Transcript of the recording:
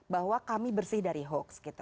bahwa kami bersih dari hoax